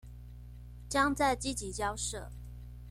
將再積極交涉